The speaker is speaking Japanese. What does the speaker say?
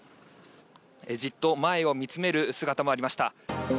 じっと前を見つめる姿もありました。